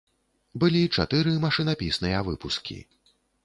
Былі чатыры машынапісныя выпускі.